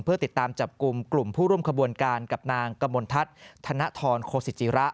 เพื่อติดตามจับกลุ่มกลุ่มผู้ร่วมขบวนการกับนางกมลทัศน์ธนทรโคสิจิระ